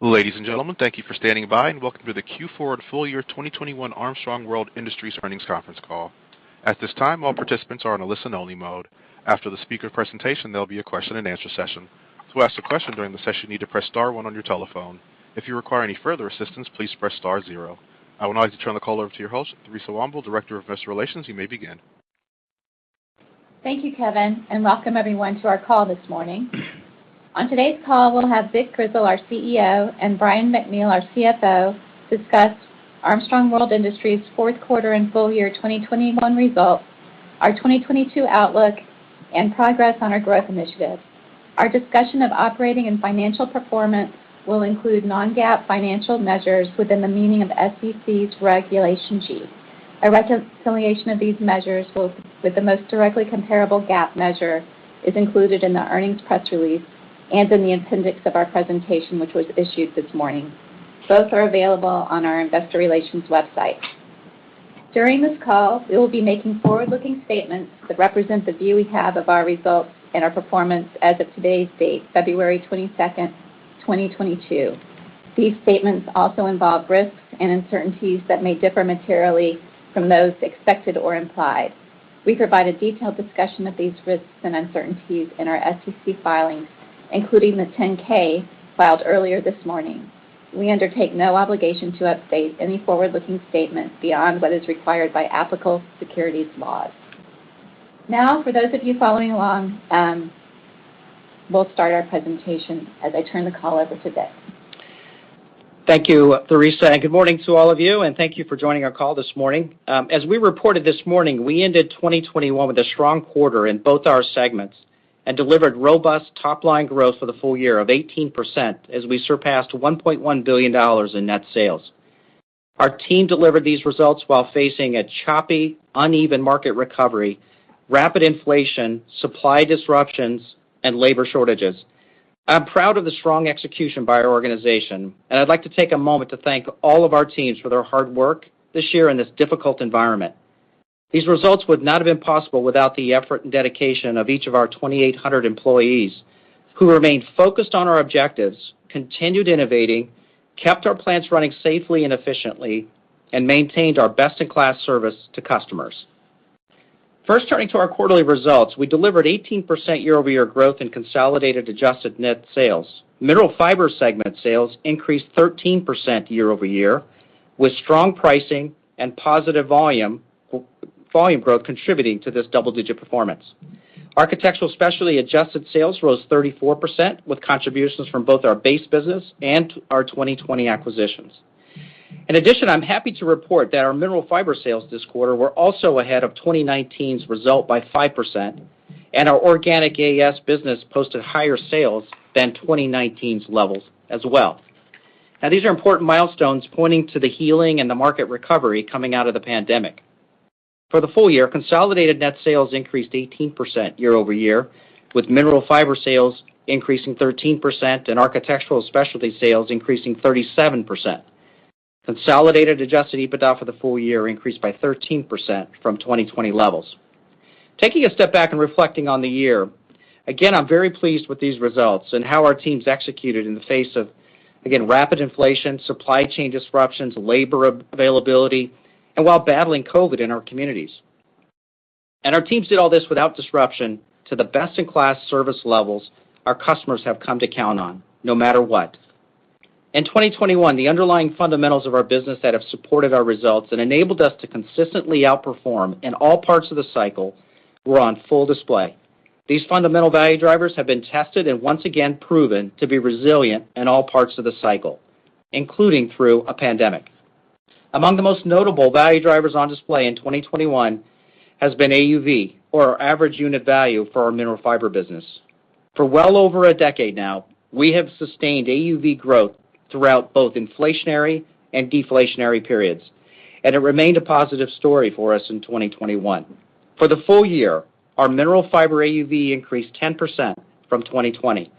Ladies and gentlemen, thank you for standing by and welcome to the Q4 and full year 2021 Armstrong World Industries earnings conference call. At this time, all participants are in a listen-only mode. After the speaker presentation, there'll be a question-and-answer session. To ask a question during the session, you need to press star one on your telephone. If you require any further assistance, please press star zero. I would now like to turn the call over to your host, Theresa Womble, Director of Investor Relations. You may begin. Thank you, Kevin, and welcome everyone to our call this morning. On today's call, we'll have Vic Grizzle, our CEO, and Brian MacNeal, our CFO, discuss Armstrong World Industries' fourth quarter and full year 2021 results, our 2022 outlook, and progress on our growth initiatives. Our discussion of operating and financial performance will include non-GAAP financial measures within the meaning of SEC's Regulation G. A reconciliation of these measures with the most directly comparable GAAP measure is included in the earnings press release and in the appendix of our presentation, which was issued this morning. Both are available on our investor relations website. During this call, we will be making forward-looking statements that represent the view we have of our results and our performance as of today's date, February 22, 2022. These statements also involve risks and uncertainties that may differ materially from those expected or implied. We provide a detailed discussion of these risks and uncertainties in our SEC filings, including the 10-K filed earlier this morning. We undertake no obligation to update any forward-looking statements beyond what is required by applicable securities laws. Now, for those of you following along, we'll start our presentation as I turn the call over to Vic. Thank you, Theresa, and good morning to all of you, and thank you for joining our call this morning. As we reported this morning, we ended 2021 with a strong quarter in both our segments and delivered robust top-line growth for the full year of 18% as we surpassed $1.1 billion in net sales. Our team delivered these results while facing a choppy, uneven market recovery, rapid inflation, supply disruptions, and labor shortages. I'm proud of the strong execution by our organization, and I'd like to take a moment to thank all of our teams for their hard work this year in this difficult environment. These results would not have been possible without the effort and dedication of each of our 2,800 employees who remained focused on our objectives, continued innovating, kept our plants running safely and efficiently, and maintained our best-in-class service to customers. First turning to our quarterly results, we delivered 18% year-over-year growth in consolidated adjusted net sales. Mineral Fiber segment sales increased 13% year-over-year, with strong pricing and positive volume growth contributing to this double-digit performance. Architectural Specialties adjusted sales rose 34%, with contributions from both our base business and our 2020 acquisitions. In addition, I'm happy to report that our Mineral Fiber sales this quarter were also ahead of 2019's result by 5%, and our organic AES business posted higher sales than 2019's levels as well. Now these are important milestones pointing to the healing and the market recovery coming out of the pandemic. For the full year, consolidated net sales increased 18% year-over-year, with Mineral Fiber sales increasing 13% and Architectural Specialties sales increasing 37%. Consolidated adjusted EBITDA for the full year increased by 13% from 2020 levels. Taking a step back and reflecting on the year, again, I'm very pleased with these results and how our teams executed in the face of, again, rapid inflation, supply chain disruptions, labor availability, and while battling COVID in our communities. Our teams did all this without disruption to the best-in-class service levels our customers have come to count on, no matter what. In 2021, the underlying fundamentals of our business that have supported our results and enabled us to consistently outperform in all parts of the cycle were on full display. These fundamental value drivers have been tested and once again proven to be resilient in all parts of the cycle, including through a pandemic. Among the most notable value drivers on display in 2021 has been AUV, or our average unit value for our Mineral Fiber business. For well over a decade now, we have sustained AUV growth throughout both inflationary and deflationary periods, and it remained a positive story for us in 2021. For the full year, our Mineral Fiber AUV increased 10% from 2020,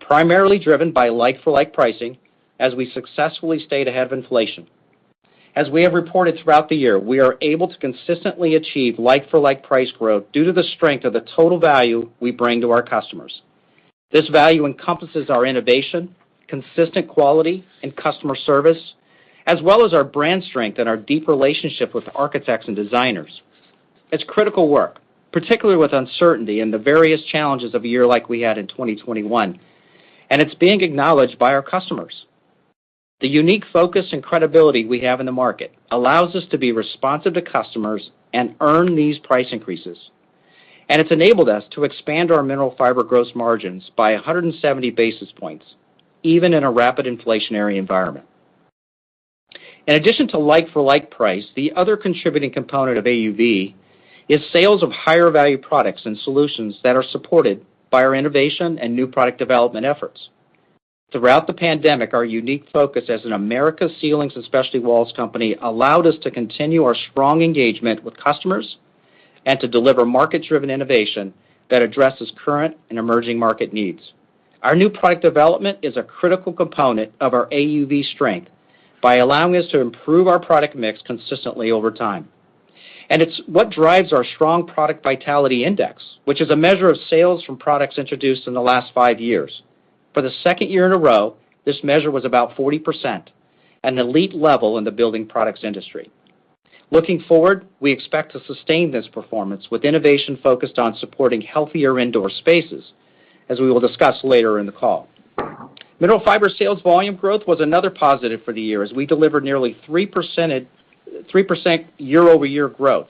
primarily driven by like-for-like pricing as we successfully stayed ahead of inflation. As we have reported throughout the year, we are able to consistently achieve like-for-like price growth due to the strength of the total value we bring to our customers. This value encompasses our innovation, consistent quality, and customer service, as well as our brand strength and our deep relationship with architects and designers. It's critical work, particularly with uncertainty and the various challenges of a year like we had in 2021, and it's being acknowledged by our customers. The unique focus and credibility we have in the market allows us to be responsive to customers and earn these price increases, and it's enabled us to expand our Mineral Fiber gross margins by 170 basis points, even in a rapid inflationary environment. In addition to like-for-like price, the other contributing component of AUV is sales of higher value products and solutions that are supported by our innovation and new product development efforts. Throughout the pandemic, our unique focus as an Americas ceilings and specialty walls company allowed us to continue our strong engagement with customers and to deliver market-driven innovation that addresses current and emerging market needs. Our new product development is a critical component of our AUV strength by allowing us to improve our product mix consistently over time. It's what drives our strong product vitality index, which is a measure of sales from products introduced in the last five years. For the second year in a row, this measure was about 40%, an elite level in the building products industry. Looking forward, we expect to sustain this performance with innovation focused on supporting healthier indoor spaces, as we will discuss later in the call. Mineral Fiber sales volume growth was another positive for the year as we delivered nearly 3% year-over-year growth.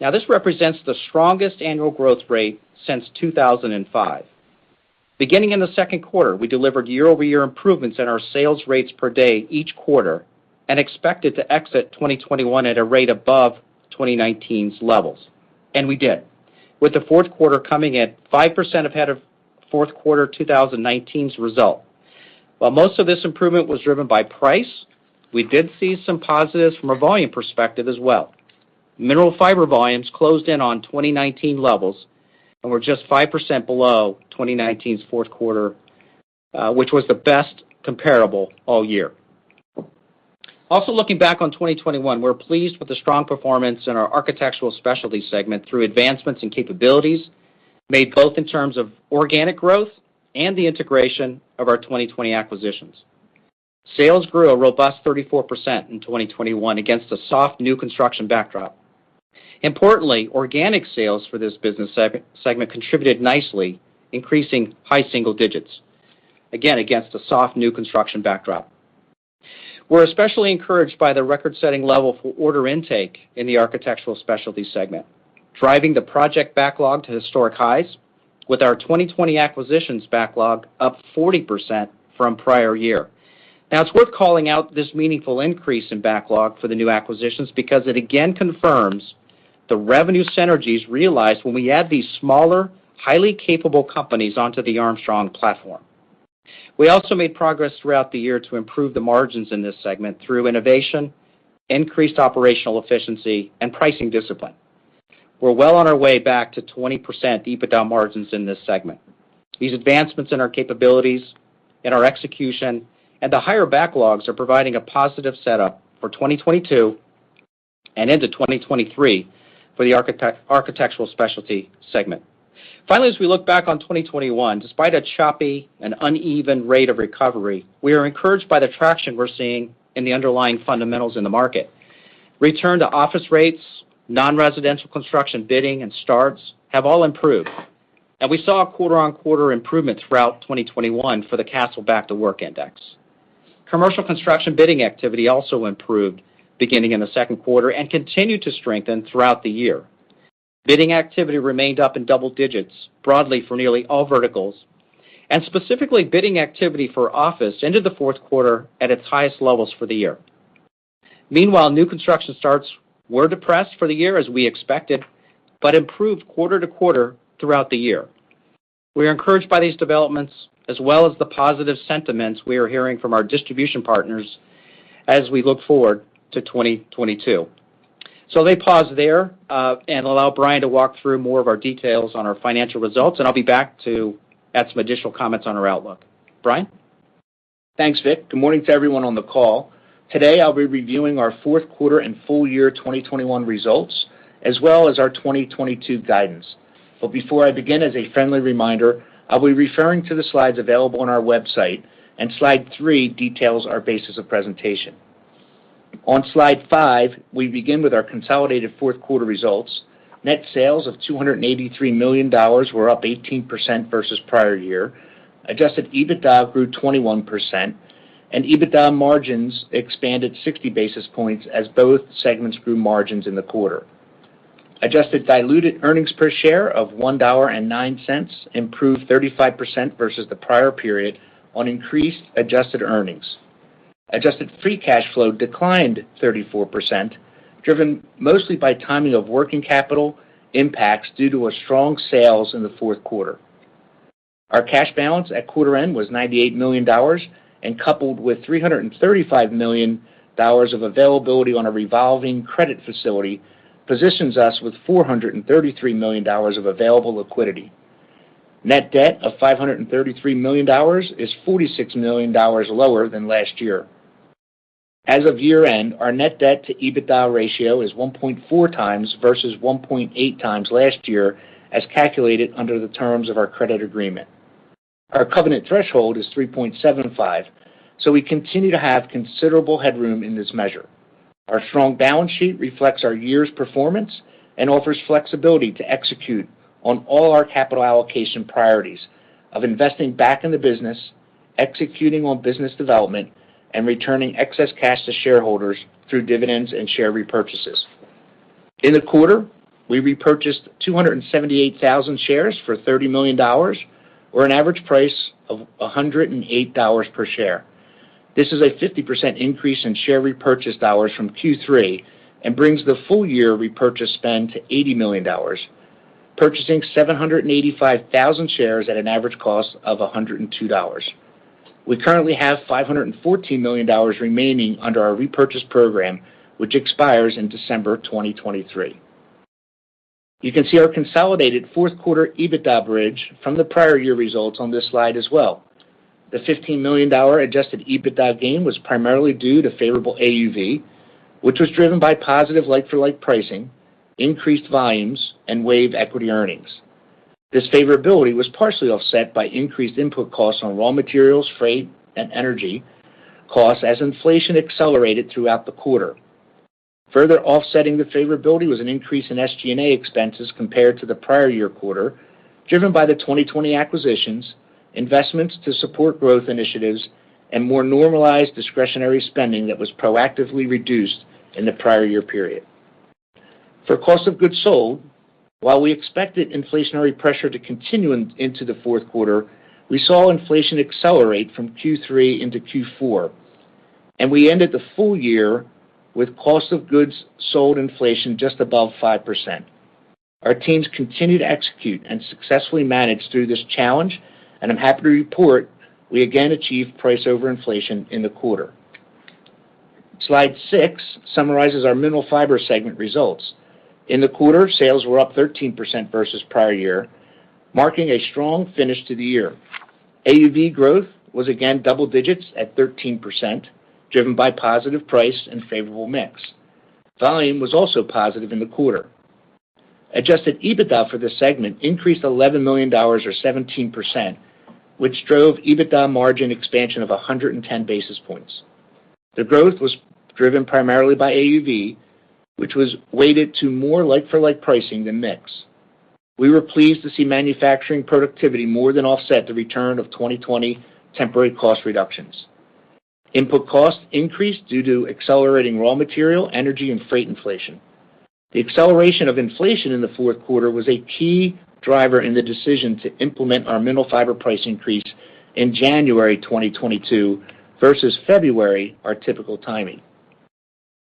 Now, this represents the strongest annual growth rate since 2005. Beginning in the second quarter, we delivered year-over-year improvements in our sales rates per day each quarter, and expected to exit 2021 at a rate above 2019's levels, and we did, with the fourth quarter coming in 5% ahead of fourth quarter 2019's result. While most of this improvement was driven by price, we did see some positives from a volume perspective as well. Mineral Fiber volumes closed in on 2019 levels and were just 5% below 2019's fourth quarter, which was the best comparable all year. Also, looking back on 2021, we're pleased with the strong performance in our Architectural Specialties segment through advancements and capabilities made both in terms of organic growth and the integration of our 2020 acquisitions. Sales grew a robust 34% in 2021 against a soft new construction backdrop. Importantly, organic sales for this business segment contributed nicely, increasing high single digits. Again, against a soft new construction backdrop. We're especially encouraged by the record-setting level for order intake in the Architectural Specialties segment, driving the project backlog to historic highs with our 2020 acquisitions backlog up 40% from prior year. Now, it's worth calling out this meaningful increase in backlog for the new acquisitions because it again confirms the revenue synergies realized when we add these smaller, highly capable companies onto the Armstrong platform. We also made progress throughout the year to improve the margins in this segment through innovation, increased operational efficiency, and pricing discipline. We're well on our way back to 20% EBITDA margins in this segment. These advancements in our capabilities, in our execution, and the higher backlogs are providing a positive setup for 2022 and into 2023 for the Architectural Specialties segment. Finally, as we look back on 2021, despite a choppy and uneven rate of recovery, we are encouraged by the traction we're seeing in the underlying fundamentals in the market. Return to office rates, non-residential construction bidding and starts have all improved, and we saw a quarter-on-quarter improvement throughout 2021 for the Kastle Back-to-Work Barometer. Commercial construction bidding activity also improved beginning in the second quarter and continued to strengthen throughout the year. Bidding activity remained up in double digits, broadly for nearly all verticals, and specifically, bidding activity for office into the fourth quarter at its highest levels for the year. Meanwhile, new construction starts were depressed for the year, as we expected, but improved quarter-over-quarter throughout the year. We are encouraged by these developments as well as the positive sentiments we are hearing from our distribution partners as we look forward to 2022. Let me pause there, and allow Brian to walk through more of our details on our financial results, and I'll be back to add some additional comments on our outlook. Brian? Thanks, Vic. Good morning to everyone on the call. Today, I'll be reviewing our fourth quarter and full year 2021 results, as well as our 2022 guidance. Before I begin, as a friendly reminder, I'll be referring to the slides available on our website, and slide three details our basis of presentation. On slide five, we begin with our consolidated fourth quarter results. Net sales of $283 million were up 18% versus prior year. Adjusted EBITDA grew 21%, and EBITDA margins expanded 60 basis points as both segments grew margins in the quarter. Adjusted diluted earnings per share of $1.09 improved 35% versus the prior period on increased adjusted earnings. Adjusted free cash flow declined 34%, driven mostly by timing of working capital impacts due to a strong sales in the fourth quarter. Our cash balance at quarter end was $98 million, and coupled with $335 million of availability on a revolving credit facility, positions us with $433 million of available liquidity. Net debt of $533 million is $46 million lower than last year. As of year-end, our net debt to EBITDA ratio is 1.4 times versus 1.8 times last year, as calculated under the terms of our credit agreement. Our covenant threshold is 3.75, so we continue to have considerable headroom in this measure. Our strong balance sheet reflects our year's performance and offers flexibility to execute on all our capital allocation priorities of investing back in the business, executing on business development, and returning excess cash to shareholders through dividends and share repurchases. In the quarter, we repurchased 278,000 shares for $30 million or an average price of $108 per share. This is a 50% increase in share repurchase dollars from Q3 and brings the full year repurchase spend to $80 million, purchasing 785,000 shares at an average cost of $102. We currently have $514 million remaining under our repurchase program, which expires in December 2023. You can see our consolidated fourth quarter EBITDA bridge from the prior year results on this slide as well. The $15 million adjusted EBITDA gain was primarily due to favorable AUV, which was driven by positive like-for-like pricing, increased volumes, and WAVE equity earnings. This favorability was partially offset by increased input costs on raw materials, freight, and energy costs as inflation accelerated throughout the quarter. Further offsetting the favorability was an increase in SG&A expenses compared to the prior year quarter, driven by the 2020 acquisitions, investments to support growth initiatives, and more normalized discretionary spending that was proactively reduced in the prior year period. For cost of goods sold, while we expected inflationary pressure to continue into the fourth quarter, we saw inflation accelerate from Q3 into Q4, and we ended the full year with cost of goods sold inflation just above 5%. Our teams continued to execute and successfully manage through this challenge, and I'm happy to report we again achieved price over inflation in the quarter. Slide six summarizes our Mineral Fiber segment results. In the quarter, sales were up 13% versus prior year, marking a strong finish to the year. AUV growth was again double digits at 13%, driven by positive price and favorable mix. Volume was also positive in the quarter. Adjusted EBITDA for this segment increased $11 million or 17%, which drove EBITDA margin expansion of 110 basis points. The growth was driven primarily by AUV, which was weighted to more like-for-like pricing than mix. We were pleased to see manufacturing productivity more than offset the return of 2020 temporary cost reductions. Input costs increased due to accelerating raw material, energy, and freight inflation. The acceleration of inflation in the fourth quarter was a key driver in the decision to implement our Mineral Fiber price increase in January 2022 versus February, our typical timing.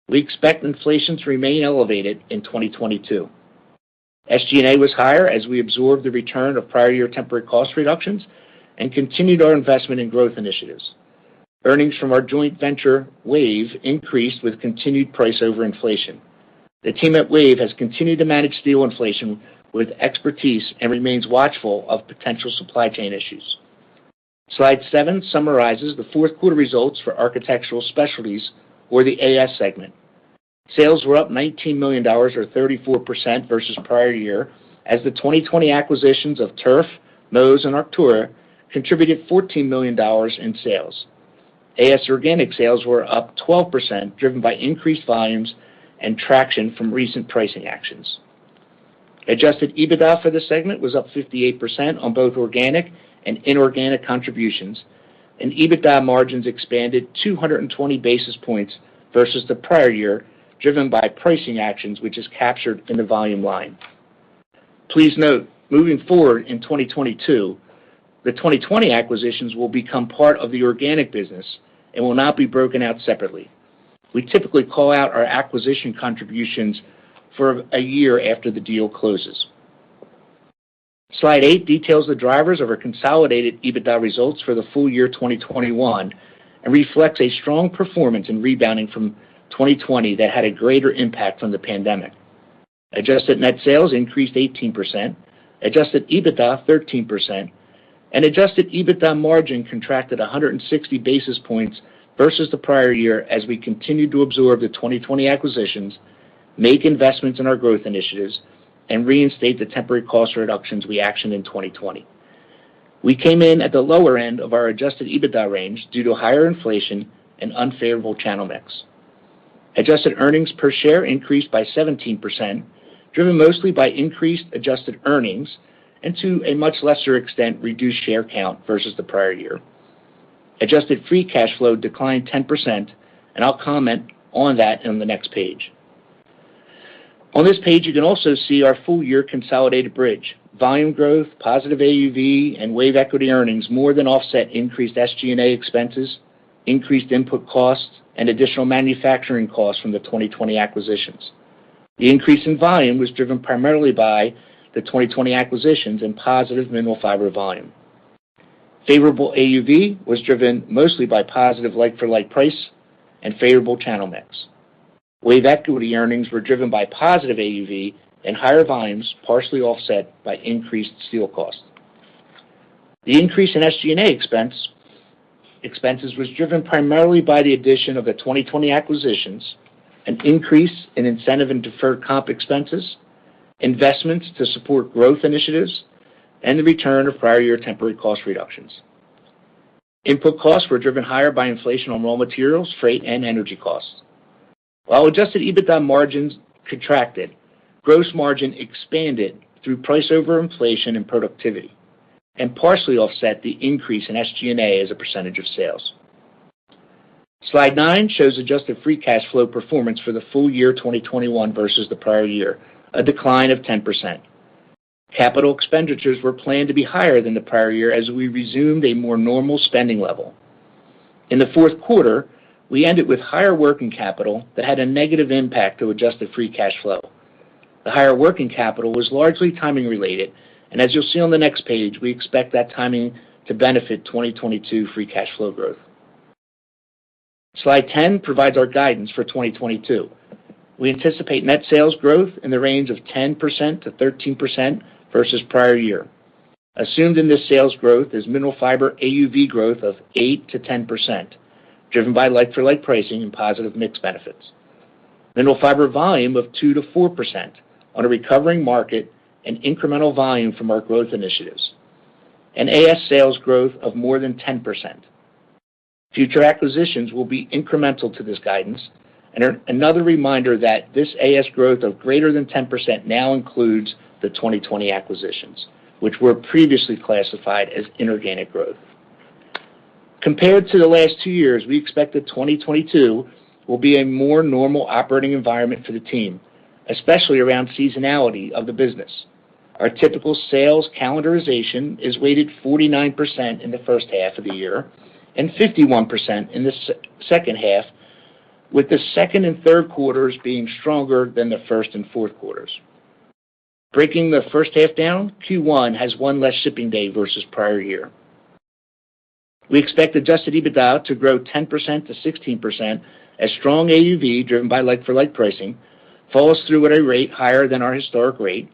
We expect inflation to remain elevated in 2022. SG&A was higher as we absorbed the return of prior year temporary cost reductions and continued our investment in growth initiatives. Earnings from our joint venture, WAVE, increased with continued price over inflation. The team at WAVE has continued to manage steel inflation with expertise and remains watchful of potential supply chain issues. Slide seven summarizes the fourth quarter results for Architectural Specialties or the AS segment. Sales were up $19 million or 34% versus prior year as the 2020 acquisitions of Turf, Moz, and Arktura contributed $14 million in sales. AS organic sales were up 12%, driven by increased volumes and traction from recent pricing actions. Adjusted EBITDA for this segment was up 58% on both organic and inorganic contributions, and EBITDA margins expanded 220 basis points versus the prior year, driven by pricing actions, which is captured in the volume line. Please note, moving forward in 2022, the 2020 acquisitions will become part of the organic business and will not be broken out separately. We typically call out our acquisition contributions for a year after the deal closes. Slide eight details the drivers of our consolidated EBITDA results for the full year 2021 and reflects a strong performance in rebounding from 2020 that had a greater impact from the pandemic. Adjusted net sales increased 18%, adjusted EBITDA 13%, and adjusted EBITDA margin contracted 160 basis points versus the prior year as we continued to absorb the 2020 acquisitions, make investments in our growth initiatives, and reinstate the temporary cost reductions we actioned in 2020. We came in at the lower end of our adjusted EBITDA range due to higher inflation and unfavorable channel mix. Adjusted earnings per share increased by 17%, driven mostly by increased adjusted earnings and to a much lesser extent, reduced share count versus the prior year. Adjusted free cash flow declined 10%, and I'll comment on that in the next page. On this page, you can also see our full year consolidated bridge. Volume growth, positive AUV, and WAVE equity earnings more than offset increased SG&A expenses, increased input costs, and additional manufacturing costs from the 2020 acquisitions. The increase in volume was driven primarily by the 2020 acquisitions and positive Mineral Fiber volume. Favorable AUV was driven mostly by positive like-for-like price and favorable channel mix. WAVE equity earnings were driven by positive AUV and higher volumes, partially offset by increased steel costs. The increase in SG&A expenses was driven primarily by the addition of the 2020 acquisitions, an increase in incentive and deferred comp expenses, investments to support growth initiatives, and the return of prior year temporary cost reductions. Input costs were driven higher by inflation on raw materials, freight, and energy costs. While adjusted EBITDA margins contracted, gross margin expanded through price over inflation and productivity and partially offset the increase in SG&A as a percentage of sales. Slide 9 shows adjusted free cash flow performance for the full year 2021 versus the prior year, a decline of 10%. Capital expenditures were planned to be higher than the prior year as we resumed a more normal spending level. In the fourth quarter, we ended with higher working capital that had a negative impact to adjusted free cash flow. The higher working capital was largely timing related, and as you'll see on the next page, we expect that timing to benefit 2022 free cash flow growth. Slide 10 provides our guidance for 2022. We anticipate net sales growth in the range of 10% to 13% versus prior year. Assumed in this sales growth is Mineral Fiber AUV growth of 8% to 10%, driven by like-for-like pricing and positive mix benefits. Mineral Fiber volume of 2% to 4% on a recovering market and incremental volume from our growth initiatives. AS sales growth of more than 10%. Future acquisitions will be incremental to this guidance, and another reminder that this AS growth of greater than 10% now includes the 2020 acquisitions, which were previously classified as inorganic growth. Compared to the last two years, we expect that 2022 will be a more normal operating environment for the team, especially around seasonality of the business. Our typical sales calendarization is weighted 49% in the first half of the year and 51% in the second half, with the second and third quarters being stronger than the first and fourth quarters. Breaking the first half down, Q1 has one less shipping day versus prior year. We expect adjusted EBITDA to grow 10% to 16% as strong AUV, driven by like-for-like pricing, falls through at a rate higher than our historic rate,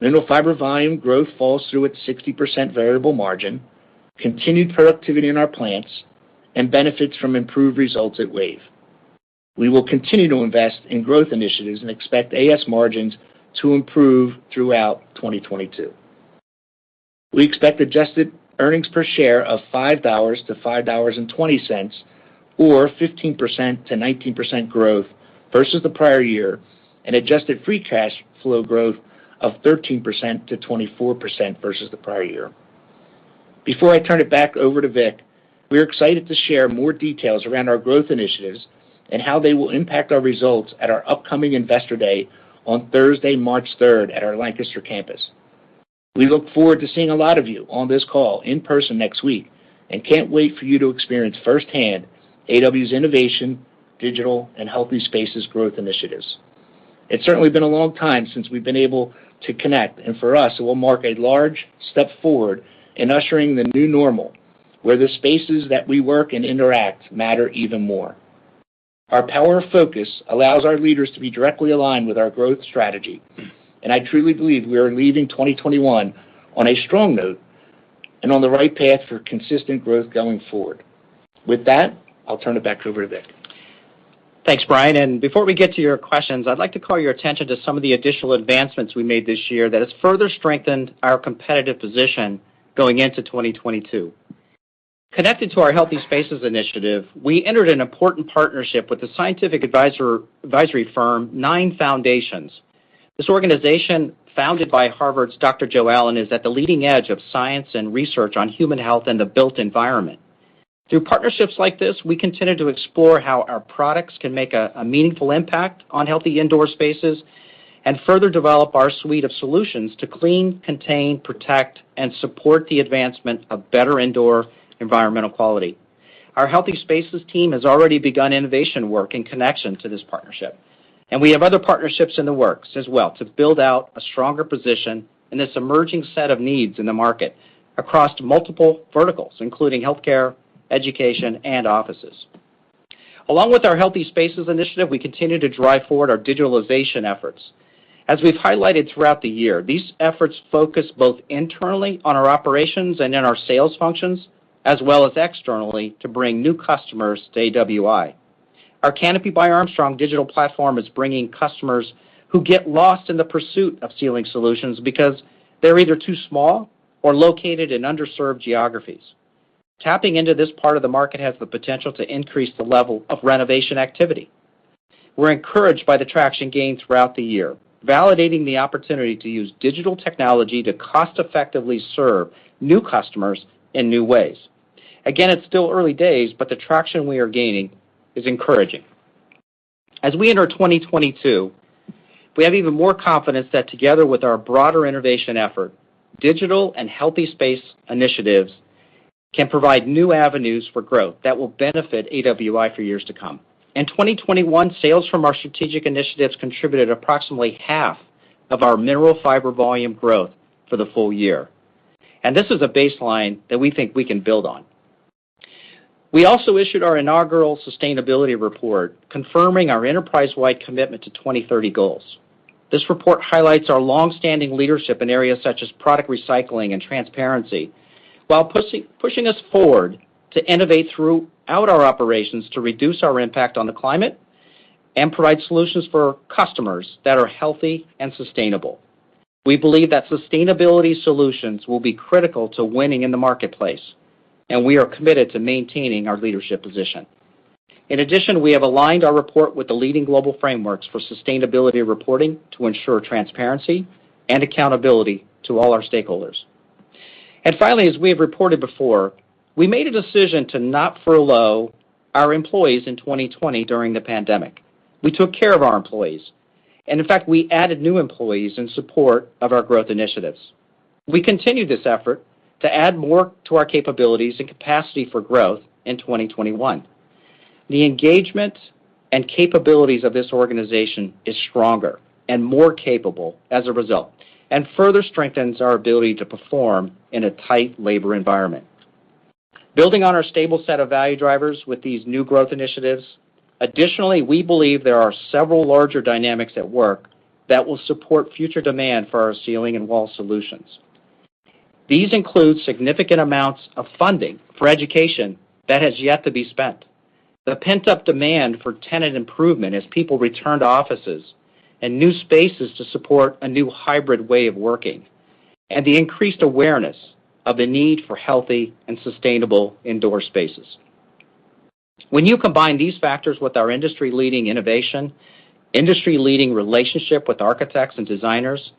Mineral Fiber volume growth falls through its 60% variable margin, continued productivity in our plants, and benefits from improved results at WAVE. We will continue to invest in growth initiatives and expect AS margins to improve throughout 2022. We expect adjusted earnings per share of $5 to $5.20, or 15% to 19% growth versus the prior year, and adjusted free cash flow growth of 13% to 24% versus the prior year. Before I turn it back over to Vic, we're excited to share more details around our growth initiatives and how they will impact our results at our upcoming Investor Day on Thursday, March third at our Lancaster campus. We look forward to seeing a lot of you on this call in person next week, and can't wait for you to experience firsthand AWI's innovation, digital, and Healthy Spaces growth initiatives. It's certainly been a long time since we've been able to connect, and for us, it will mark a large step forward in ushering the new normal, where the spaces that we work and interact matter even more. Our power of focus allows our leaders to be directly aligned with our growth strategy, and I truly believe we are leaving 2021 on a strong note and on the right path for consistent growth going forward. With that, I'll turn it back over to Vic. Thanks, Brian. Before we get to your questions, I'd like to call your attention to some of the additional advancements we made this year that has further strengthened our competitive position going into 2022. Connected to our Healthy Spaces initiative, we entered an important partnership with the scientific advisory firm, nine Foundations. This organization, founded by Harvard's Dr. Joe Allen, is at the leading edge of science and research on human health and the built environment. Through partnerships like this, we continue to explore how our products can make a meaningful impact on healthy indoor spaces and further develop our suite of solutions to clean, contain, protect, and support the advancement of better indoor environmental quality. Our Healthy Spaces team has already begun innovation work in connection to this partnership, and we have other partnerships in the works as well to build out a stronger position in this emerging set of needs in the market across multiple verticals, including healthcare, education, and offices. Along with our Healthy Spaces initiative, we continue to drive forward our digitalization efforts. As we've highlighted throughout the year, these efforts focus both internally on our operations and in our sales functions, as well as externally to bring new customers to AWI. Our Kanopi by Armstrong digital platform is bringing customers who get lost in the pursuit of ceiling solutions because they're either too small or located in underserved geographies. Tapping into this part of the market has the potential to increase the level of renovation activity. We're encouraged by the traction gained throughout the year, validating the opportunity to use digital technology to cost-effectively serve new customers in new ways. Again, it's still early days, but the traction we are gaining is encouraging. As we enter 2022, we have even more confidence that together with our broader innovation effort, digital and Healthy Spaces initiatives can provide new avenues for growth that will benefit AWI for years to come. In 2021, sales from our strategic initiatives contributed approximately half of our Mineral Fiber volume growth for the full year. This is a baseline that we think we can build on. We also issued our inaugural sustainability report, confirming our enterprise-wide commitment to 2030 goals. This report highlights our long-standing leadership in areas such as product recycling and transparency while pushing us forward to innovate throughout our operations to reduce our impact on the climate and provide solutions for customers that are healthy and sustainable. We believe that sustainability solutions will be critical to winning in the marketplace, and we are committed to maintaining our leadership position. In addition, we have aligned our report with the leading global frameworks for sustainability reporting to ensure transparency and accountability to all our stakeholders. Finally, as we have reported before, we made a decision to not furlough our employees in 2020 during the pandemic. We took care of our employees. In fact, we added new employees in support of our growth initiatives. We continued this effort to add more to our capabilities and capacity for growth in 2021. The engagement and capabilities of this organization is stronger and more capable as a result, and further strengthens our ability to perform in a tight labor environment. Building on our stable set of value drivers with these new growth initiatives, additionally, we believe there are several larger dynamics at work that will support future demand for our ceiling and wall solutions. These include significant amounts of funding for education that has yet to be spent, the pent-up demand for tenant improvement as people return to offices, and new spaces to support a new hybrid way of working, and the increased awareness of the need for healthy and sustainable indoor spaces. When you combine these factors with our industry-leading innovation, industry-leading relationship with architects and designers,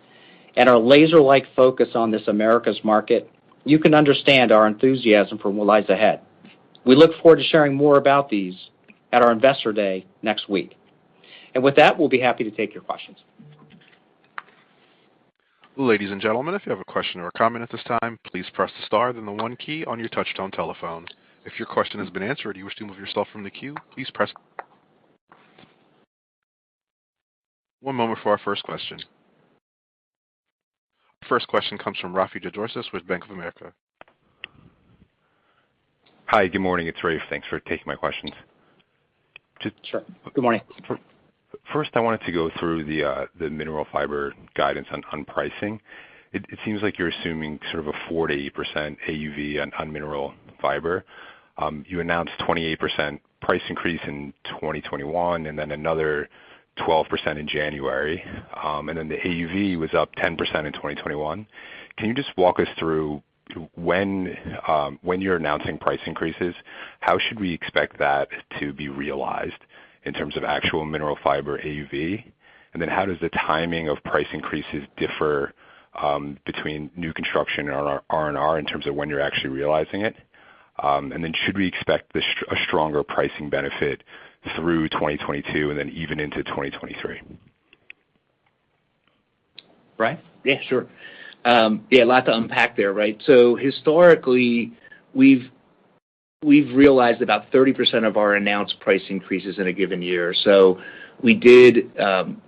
and our laser-like focus on this Americas market, you can understand our enthusiasm for what lies ahead. We look forward to sharing more about these at our Investor Day next week. With that, we'll be happy to take your questions. Ladies and gentlemen, if you have a question or a comment at this time, please press the star, then the one key on your touchtone telephones. If your question has been answered and you wish to remove yourself from the queue, please press. One moment for our first question. First question comes from Rafe Jadrosich with Bank of America. Hi. Good morning. It's Rafe. Thanks for taking my questions. Sure. Good morning. First, I wanted to go through the mineral fiber guidance on pricing. It seems like you're assuming sort of a 48% AUV on mineral fiber. You announced 28% price increase in 2021 and then another 12% in January. And then the AUV was up 10% in 2021. Can you just walk us through when you're announcing price increases, how should we expect that to be realized in terms of actual mineral fiber AUV? And then how does the timing of price increases differ between new construction and R&R in terms of when you're actually realizing it? And then should we expect a stronger pricing benefit through 2022 and then even into 2023? Brian? Yeah, sure. Yeah, a lot to unpack there, right? Historically, we've realized about 30% of our announced price increases in a given year. We did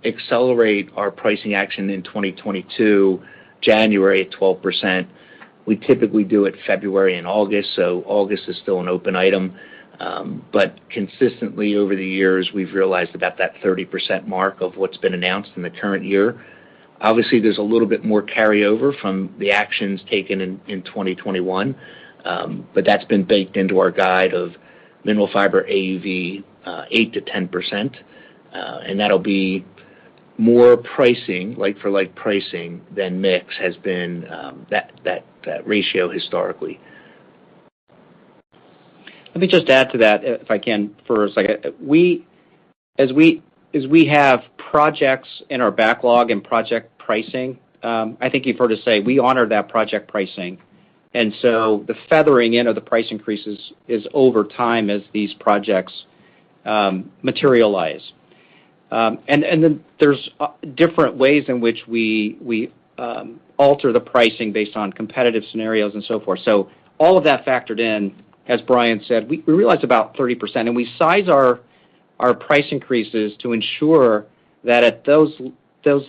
accelerate our pricing action in 2022, January at 12%. We typically do it February and August, so August is still an open item. Consistently over the years, we've realized about that 30% mark of what's been announced in the current year. Obviously, there's a little bit more carryover from the actions taken in 2021, but that's been baked into our guide of Mineral Fiber AUV 8% to 10%. That'll be more pricing, like-for-like pricing than mix has been, that ratio historically. Let me just add to that if I can for a second. As we have projects in our backlog and project pricing, I think you've heard us say we honor that project pricing. The feathering in of the price increases is over time as these projects materialize. There are different ways in which we alter the pricing based on competitive scenarios and so forth. All of that factored in, as Brian said, we realized about 30%, and we size our price increases to ensure that at those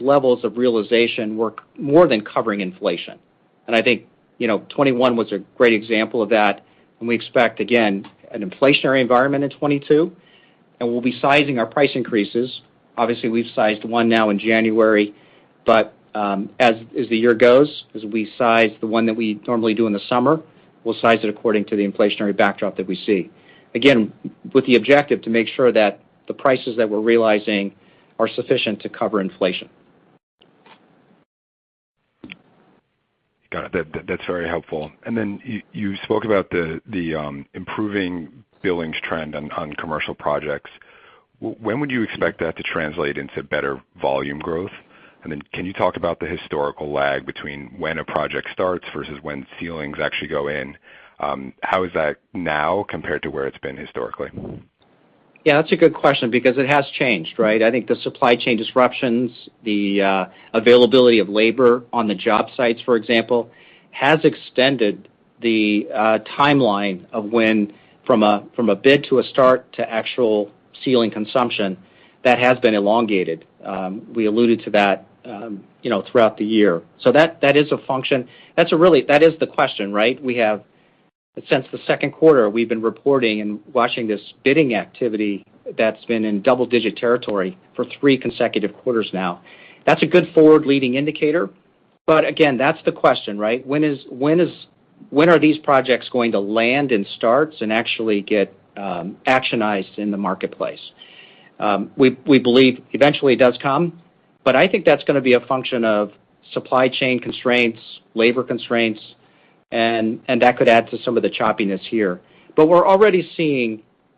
levels of realization, we're more than covering inflation. I think, you know, 2021 was a great example of that, and we expect, again, an inflationary environment in 2022, and we'll be sizing our price increases. Obviously, we've sized one now in January, but as the year goes, as we size the one that we normally do in the summer, we'll size it according to the inflationary backdrop that we see. Again, with the objective to make sure that the prices that we're realizing are sufficient to cover inflation. Got it. That's very helpful. You spoke about the improving billings trend on commercial projects. When would you expect that to translate into better volume growth? Can you talk about the historical lag between when a project starts versus when ceilings actually go in? How is that now compared to where it's been historically? Yeah, that's a good question because it has changed, right? I think the supply chain disruptions, the availability of labor on the job sites, for example, has extended the timeline of when from a bid to a start to actual ceiling consumption that has been elongated. We alluded to that, you know, throughout the year. That is a function. That is the question, right? Since the second quarter, we've been reporting and watching this bidding activity that's been in double-digit territory for three consecutive quarters now. That's a good forward-leading indicator. Again, that's the question, right? When are these projects going to land and start and actually get actionized in the marketplace? We believe eventually it does come, but I think that's gonna be a function of supply chain constraints, labor constraints, and that could add to some of the choppiness here.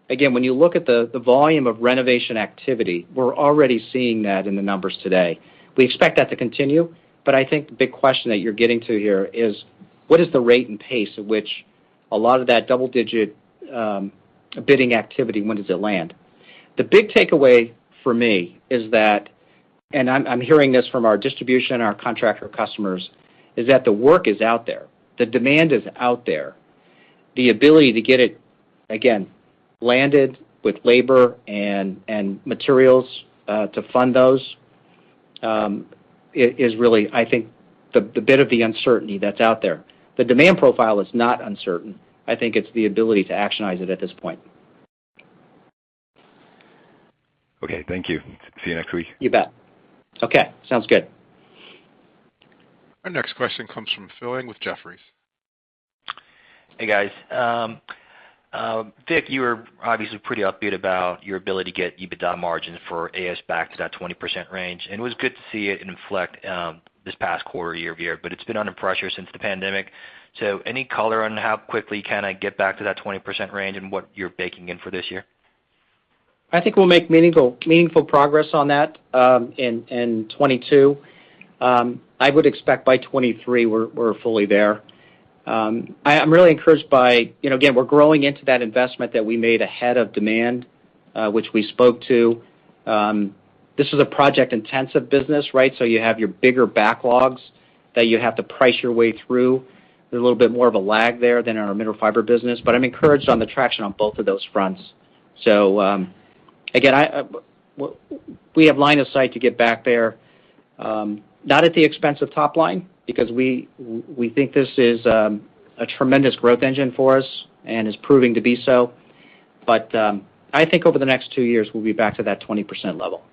Again, when you look at the volume of renovation activity, we're already seeing that in the numbers today. We expect that to continue, but I think the big question that you're getting to here is, what is the rate and pace at which a lot of that double-digit bidding activity, when does it land? The big takeaway for me is that, and I'm hearing this from our distribution, our contractor customers, is that the work is out there. The demand is out there. The ability to get it, again, landed with labor and materials, to find those, is really, I think, the bit of the uncertainty that's out there. The demand profile is not uncertain. I think it's the ability to actionize it at this point. Okay. Thank you. See you next week. You bet. Okay. Sounds good. Our next question comes from Philip Ng with Jefferies. Hey, guys. Vic, you were obviously pretty upbeat about your ability to get EBITDA margin for AS back to that 20% range, and it was good to see it inflect, this past quarter year-over-year. It's been under pressure since the pandemic. Any color on how quickly can I get back to that 20% range and what you're baking in for this year? I think we'll make meaningful progress on that, in 2022. I would expect by 2023 we're fully there. I'm really encouraged by, you know, again, we're growing into that investment that we made ahead of demand, which we spoke to. This is a project-intensive business, right? You have your bigger backlogs that you have to price your way through. There's a little bit more of a lag there than in our Mineral Fiber business, but I'm encouraged on the traction on both of those fronts. Again, we have line of sight to get back there, not at the expense of top line because we think this is, a tremendous growth engine for us and is proving to be so. I think over the next two years, we'll be back to that 20% level.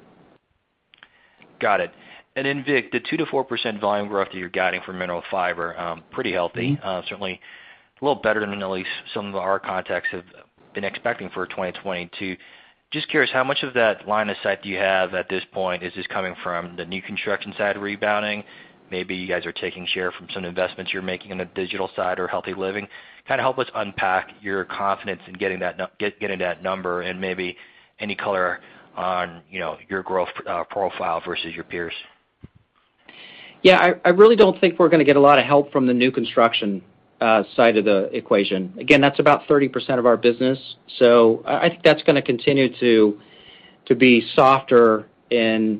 Got it. Vic, the 2% to 4% volume growth you're guiding for Mineral Fiber, pretty healthy. Mm-hmm. Certainly a little better than at least some of our contacts have been expecting for 2022. Just curious, how much of that line of sight do you have at this point? Is this coming from the new construction side rebounding? Maybe you guys are taking share from some investments you're making on the digital side or healthy living. Kind of help us unpack your confidence in getting that number and maybe any color on, you know, your growth profile versus your peers. Yeah. I really don't think we're gonna get a lot of help from the new construction side of the equation. Again, that's about 30% of our business, so I think that's gonna continue to be softer.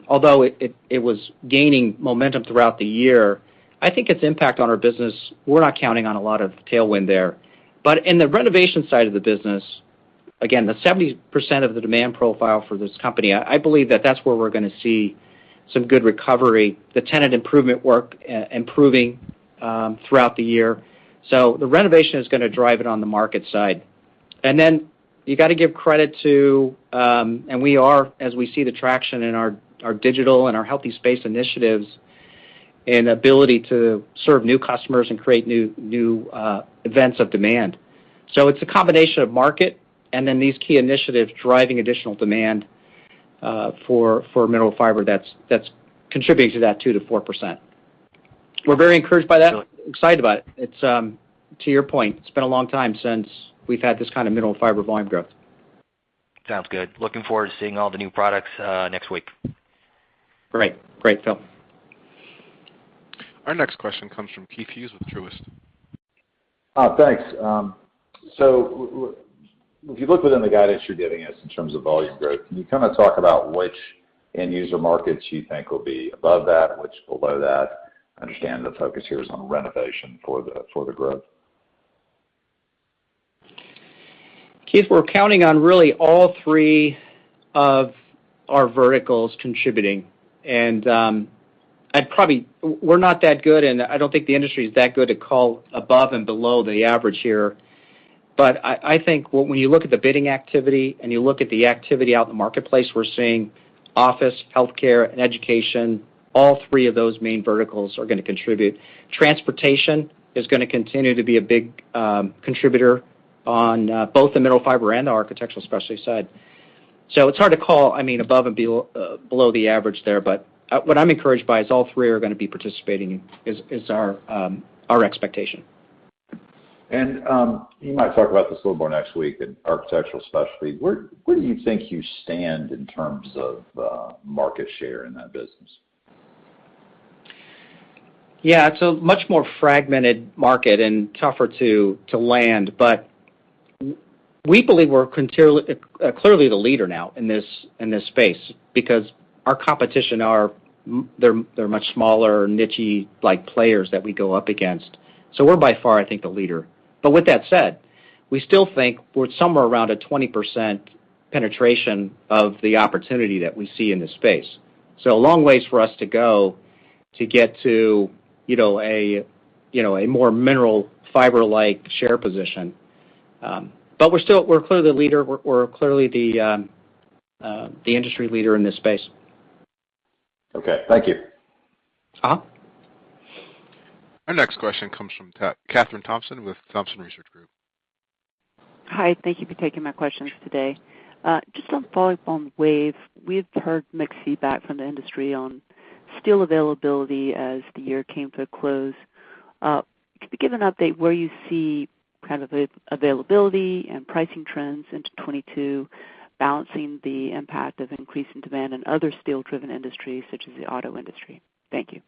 Although it was gaining momentum throughout the year, I think its impact on our business, we're not counting on a lot of tailwind there. In the renovation side of the business, again, the 70% of the demand profile for this company, I believe that that's where we're gonna see some good recovery, the tenant improvement work improving throughout the year. The renovation is gonna drive it on the market side. You gotta give credit to, and we are as we see the traction in our digital and our Healthy Spaces initiatives and ability to serve new customers and create new events of demand. It's a combination of market and then these key initiatives driving additional demand for Mineral Fiber that's contributing to that 2% to 4%. We're very encouraged by that. Got it. Excited about it. It's, to your point, it's been a long time since we've had this kind of Mineral Fiber volume growth. Sounds good. Looking forward to seeing all the new products, next week. Great. Great, Phil. Our next question comes from Keith Hughes with Truist. Thanks. If you look within the guidance you're giving us in terms of volume growth, can you kind of talk about which end user markets you think will be above that, which below that? Understand the focus here is on renovation for the growth. Keith, we're counting on really all three of our verticals contributing. We're not that good, and I don't think the industry is that good to call above and below the average here. I think when you look at the bidding activity and you look at the activity out in the marketplace, we're seeing office, healthcare, and education, all three of those main verticals are gonna contribute. Transportation is gonna continue to be a big contributor on both the Mineral Fiber and the Architectural Specialties side. It's hard to call, I mean, above and below the average there, but what I'm encouraged by is all three are gonna be participating is our expectation. You might talk about this a little more next week in Architectural Specialties. Where do you think you stand in terms of market share in that business? Yeah. It's a much more fragmented market and tougher to land, but we believe we're clearly the leader now in this space because our competition, they're much smaller, niche-y like players that we go up against. We're by far, I think, the leader. With that said, we still think we're somewhere around a 20% penetration of the opportunity that we see in this space. A long ways for us to go to get to, you know, a more Mineral Fiber-like share position. We're still clearly the leader. We're clearly the industry leader in this space. Okay. Thank you. Uh-huh. Our next question comes from Kathryn Thompson with Thompson Research Group. Hi. Thank you for taking my questions today. Just on following up on WAVE, we've heard mixed feedback from the industry on steel availability as the year came to a close. Could you give an update where you see kind of the availability and pricing trends into 2022, balancing the impact of increasing demand in other steel-driven industries such as the auto industry? Thank you.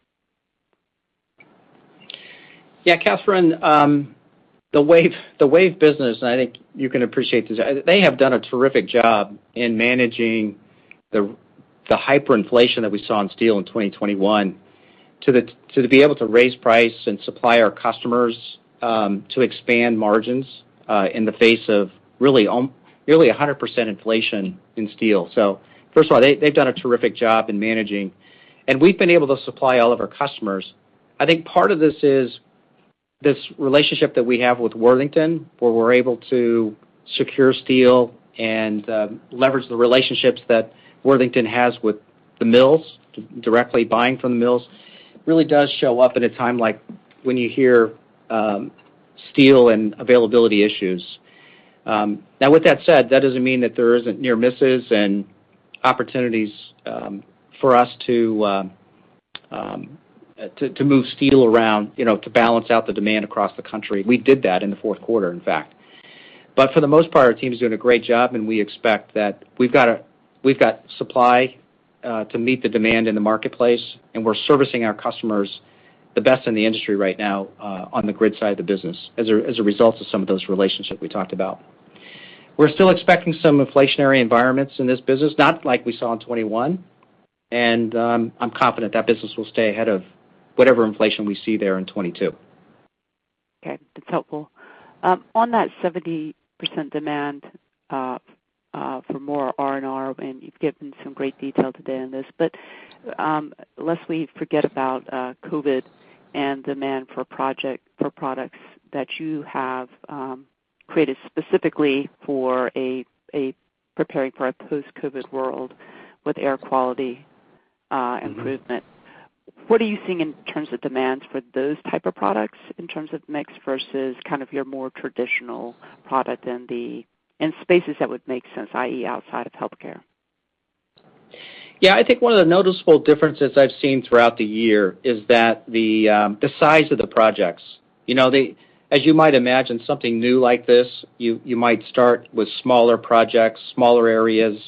Yeah. Kathryn, the WAVE business, and I think you can appreciate this. They have done a terrific job in managing the hyperinflation that we saw in steel in 2021. To be able to raise price and supply our customers, to expand margins, in the face of really nearly 100% inflation in steel. First of all, they've done a terrific job in managing, and we've been able to supply all of our customers. I think part of this is this relationship that we have with Worthington, where we're able to secure steel and leverage the relationships that Worthington has with the mills, directly buying from the mills, really does show up at a time like when you hear steel and availability issues. Now with that said, that doesn't mean that there isn't near misses and opportunities, for us to move steel around, you know, to balance out the demand across the country. We did that in the fourth quarter, in fact. But for the most part, our team is doing a great job, and we expect that we've got supply to meet the demand in the marketplace, and we're servicing our customers the best in the industry right now, on the grid side of the business as a result of some of those relationships we talked about. We're still expecting some inflationary environments in this business, not like we saw in 2021. I'm confident that business will stay ahead of whatever inflation we see there in 2022. Okay, that's helpful. On that 70% demand for more R&R, and you've given some great detail today on this. Lest we forget about COVID and demand for products that you have created specifically for preparing for a post-COVID world with air quality improvement. What are you seeing in terms of demands for those type of products in terms of mix versus kind of your more traditional product in spaces that would make sense, i.e., outside of healthcare? Yeah, I think one of the noticeable differences I've seen throughout the year is that the size of the projects. You know, as you might imagine, something new like this, you might start with smaller projects, smaller areas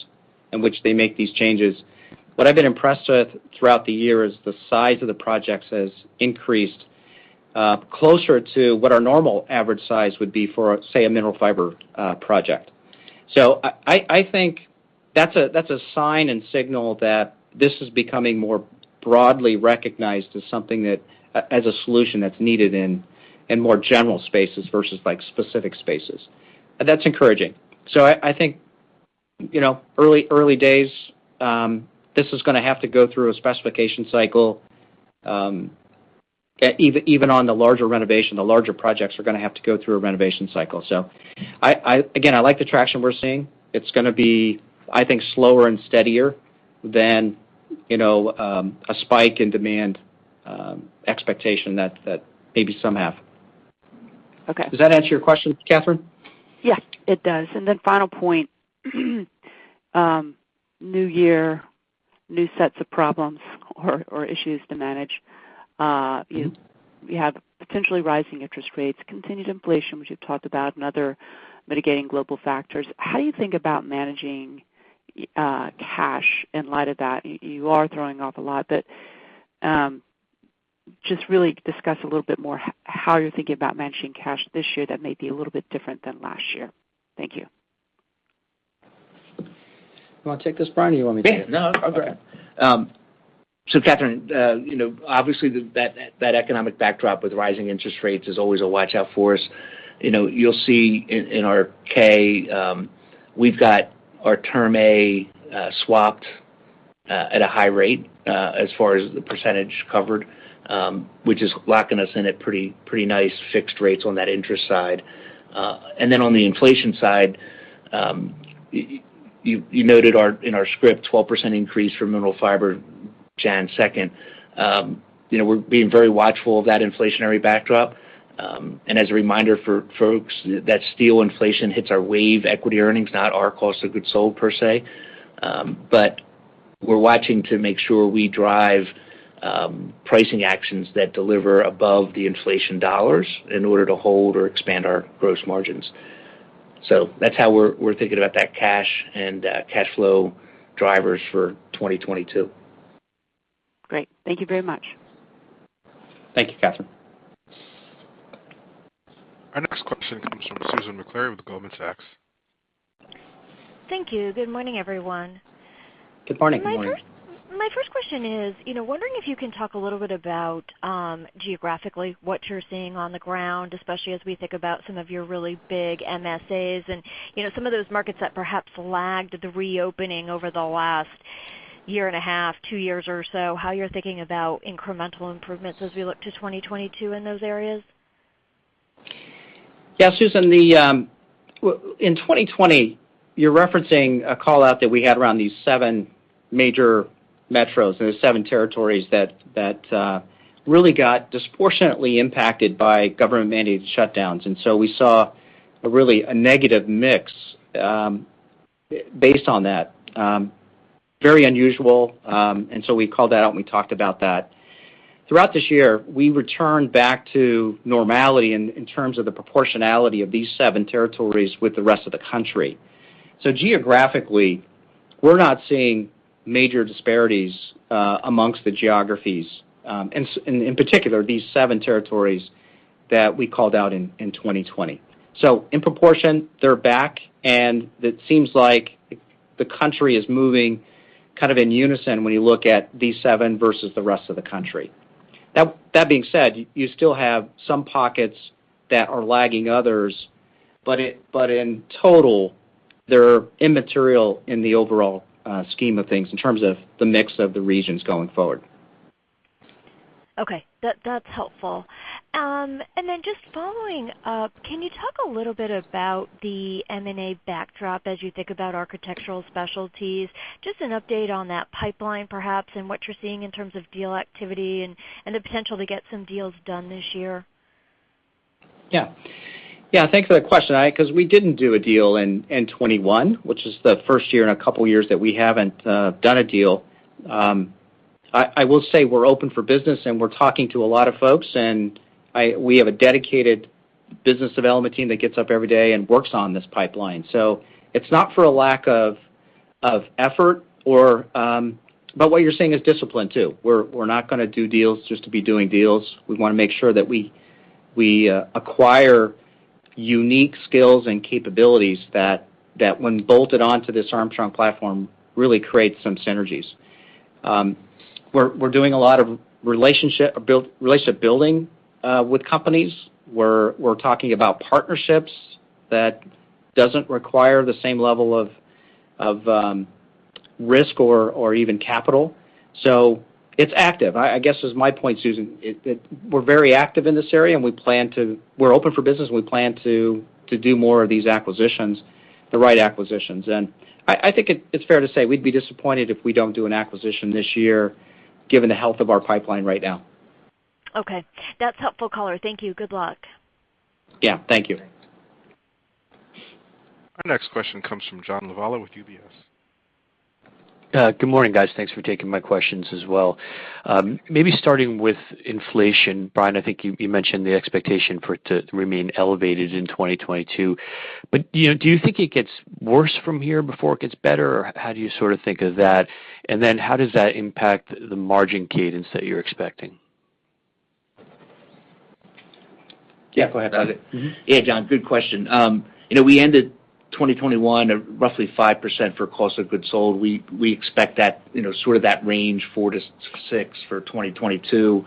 in which they make these changes. What I've been impressed with throughout the year is the size of the projects has increased closer to what our normal average size would be for, say, a Mineral Fiber project. So I think that's a sign and signal that this is becoming more broadly recognized as something as a solution that's needed in more general spaces versus like specific spaces. That's encouraging. I think, you know, early days, this is gonna have to go through a specification cycle, even on the larger renovation. The larger projects are gonna have to go through a renovation cycle. Again, I like the traction we're seeing. It's gonna be, I think, slower and steadier than, you know, a spike in demand, expectation that maybe some have. Okay. Does that answer your question, Kathryn? Yeah, it does. Then final point, new year, new sets of problems or issues to manage. Mm-hmm. You have potentially rising interest rates, continued inflation, which you've talked about, and other mitigating global factors. How do you think about managing cash in light of that? You are throwing off a lot, but just really discuss a little bit more how you're thinking about managing cash this year that may be a little bit different than last year. Thank you. You wanna take this, Brian, or you want me to? Yeah. No, I'll grab it. Kathryn, you know, obviously that economic backdrop with rising interest rates is always a watch-out for us. You know, you'll see in our 10-K, we've got our Term A swap at a high rate as far as the percentage covered, which is locking us in at pretty nice fixed rates on that interest side. On the inflation side, you noted in our script, 12% increase for Mineral Fiber announced. You know, we're being very watchful of that inflationary backdrop. As a reminder for folks, that steel inflation hits our WAVE equity earnings, not our cost of goods sold per se. We're watching to make sure we drive pricing actions that deliver above the inflation dollars in order to hold or expand our gross margins. That's how we're thinking about that cash and cash flow drivers for 2022. Great. Thank you very much. Thank you, Kathryn. Our next question comes from Susan Maklari with Goldman Sachs. Thank you. Good morning, everyone. Good morning. Good morning. My first question is, you know, wondering if you can talk a little bit about geographically what you're seeing on the ground, especially as we think about some of your really big MSAs and, you know, some of those markets that perhaps lagged the reopening over the last year and a half, two years or so, how you're thinking about incremental improvements as we look to 2022 in those areas? Yeah, Susan, in 2020, you're referencing a call-out that we had around these seven major metros. There were seven territories that really got disproportionately impacted by government-mandated shutdowns. We saw a really negative mix based on that. Very unusual, we called that out and we talked about that. Throughout this year, we returned back to normality in terms of the proportionality of these seven territories with the rest of the country. Geographically, we're not seeing major disparities amongst the geographies in particular, these seven territories that we called out in 2020. In proportion, they're back, and it seems like the country is moving kind of in unison when you look at these seven versus the rest of the country. Now, that being said, you still have some pockets that are lagging others, but in total, they're immaterial in the overall scheme of things in terms of the mix of the regions going forward. Okay. That's helpful. Just following up, can you talk a little bit about the M&A backdrop as you think about Architectural Specialties? Just an update on that pipeline perhaps, and what you're seeing in terms of deal activity and the potential to get some deals done this year. Yeah. Yeah, thanks for that question. 'Cause we didn't do a deal in 2021, which is the first year in a couple years that we haven't done a deal. I will say we're open for business, and we're talking to a lot of folks. We have a dedicated business development team that gets up every day and works on this pipeline. It's not for a lack of effort or, but what you're saying is discipline too. We're not gonna do deals just to be doing deals. We wanna make sure that we acquire unique skills and capabilities that when bolted onto this Armstrong platform, really creates some synergies. We're doing a lot of relationship building with companies. We're talking about partnerships that don't require the same level of risk or even capital. It's active. I guess is my point, Susan. We're very active in this area. We're open for business, and we plan to do more of these acquisitions, the right acquisitions. I think it's fair to say we'd be disappointed if we don't do an acquisition this year given the health of our pipeline right now. Okay. That's helpful color. Thank you. Good luck. Yeah, thank you. Our next question comes from John Lovallo with UBS. Good morning, guys. Thanks for taking my questions as well. Maybe starting with inflation. Brian, I think you mentioned the expectation for it to remain elevated in 2022. You know, do you think it gets worse from here before it gets better, or how do you sort of think of that? Then how does that impact the margin cadence that you're expecting? Yeah, go ahead, David. Yeah. Yeah, John, good question. You know, we ended 2021 at roughly 5% for cost of goods sold. We expect that, you know, sort of that range, 4% to 6% for 2022.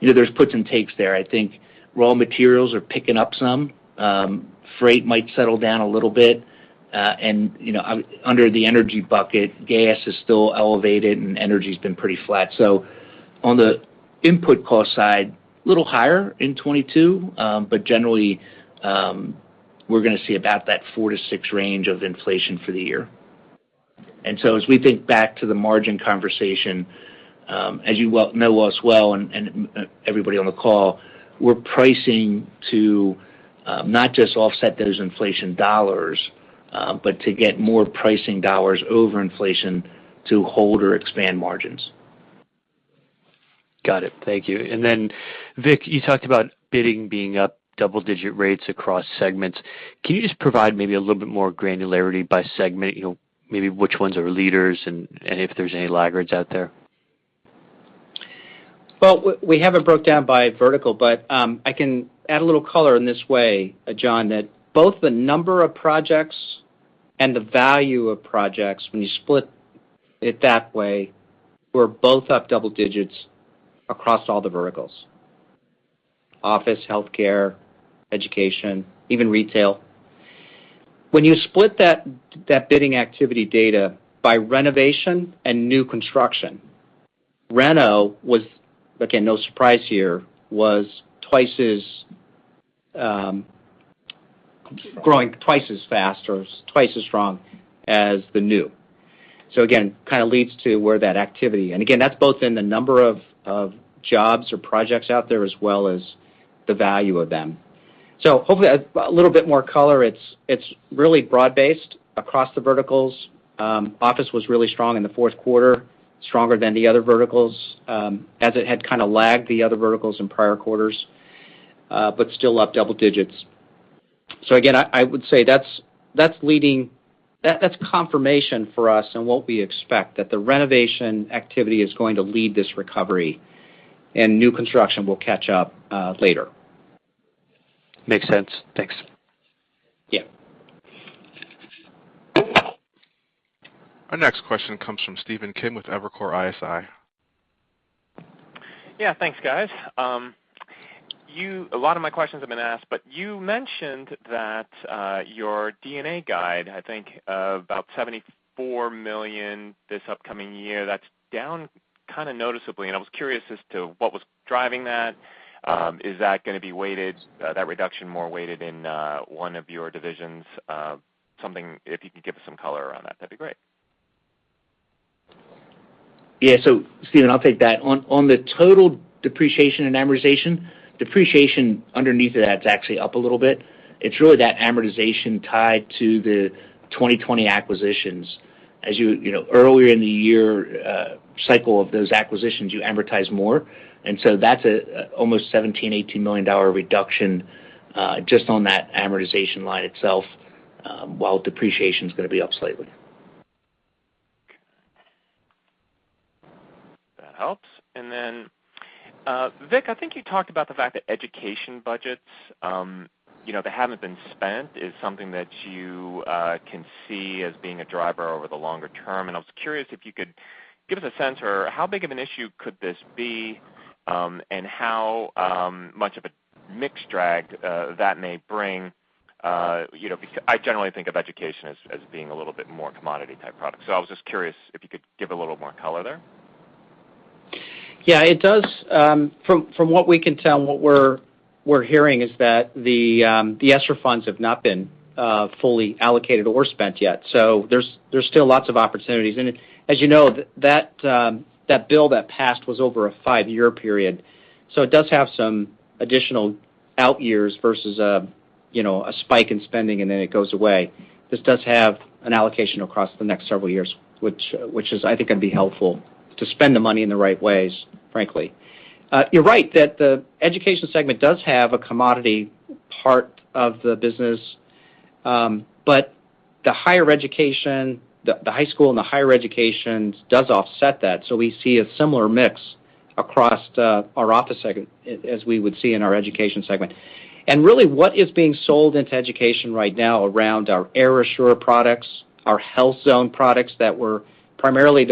You know, there's puts and takes there. I think raw materials are picking up some. Freight might settle down a little bit. You know, under the energy bucket, gas is still elevated, and energy's been pretty flat. On the input cost side, little higher in 2022. Generally, we're gonna see about that 4% to 6% range of inflation for the year. As we think back to the margin conversation, as you well know us well and everybody on the call, we're pricing to not just offset those inflation dollars, but to get more pricing dollars over inflation to hold or expand margins. Got it. Thank you. Vic, you talked about bidding being up double-digit rates across segments. Can you just provide maybe a little bit more granularity by segment, you know, maybe which ones are leaders and if there's any laggards out there? Well, we have it broken down by vertical, but I can add a little color in this way, John, that both the number of projects and the value of projects, when you split it that way, we're both up double digits across all the verticals: office, healthcare, education, even retail. When you split that bidding activity data by renovation and new construction, reno was, again, no surprise here, growing twice as fast or twice as strong as the new. Again, kind of leads to where that activity is both in the number of jobs or projects out there as well as the value of them. Hopefully a little bit more color. It's really broad-based across the verticals. Office was really strong in the fourth quarter, stronger than the other verticals, as it had kind of lagged the other verticals in prior quarters, but still up double digits. Again, I would say that's confirmation for us on what we expect, that the renovation activity is going to lead this recovery and new construction will catch up, later. Makes sense. Thanks. Yeah. Our next question comes from Stephen Kim with Evercore ISI. Yeah. Thanks, guys. A lot of my questions have been asked, but you mentioned that your D&A guide, I think, about $74 million this upcoming year. That's down kind of noticeably, and I was curious as to what was driving that. Is that gonna be weighted, that reduction more weighted in one of your divisions? If you could give us some color around that'd be great. Yeah. Stephen, I'll take that. On the total depreciation and amortization, depreciation underneath that's actually up a little bit. It's really that amortization tied to the 2020 acquisitions. As you know, earlier in the year cycle of those acquisitions, you amortize more. That's almost $17 to $18 million reduction just on that amortization line itself, while depreciation's gonna be up slightly. That helps. Then, Vic, I think you talked about the fact that education budgets, you know, that haven't been spent is something that you can see as being a driver over the longer term. I was curious if you could give us a sense of how big of an issue could this be, and how much of a mix drag that may bring. You know, because I generally think of education as being a little bit more commodity-type product. I was just curious if you could give a little more color there. Yeah, it does. From what we can tell and what we're hearing is that the ESSER funds have not been fully allocated or spent yet. There's still lots of opportunities. As you know, that bill that passed was over a five-year period, so it does have some additional out years versus a spike in spending, and then it goes away. This does have an allocation across the next several years, which is, I think, can be helpful to spend the money in the right ways, frankly. You're right that the education segment does have a commodity part of the business, but the higher education, the high school and the higher educations does offset that. We see a similar mix across our office segment as we would see in our education segment. Really, what is being sold into education right now around our AirAssure products, our Health Zone products that were primarily